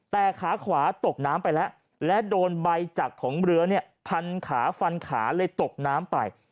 แต่ขาขวาตกน้ำไปแล้วและโดนใบจักรของเรือเนี่ยพันขาฟันขาเลยตกน้ำไป